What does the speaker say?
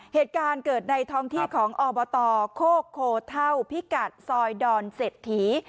เหตุการณ์เกิดในท้องที่ของอบตโคกโคเท่าพิกัดซอยดอนเศรษฐี